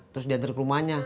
terus diantar ke rumahnya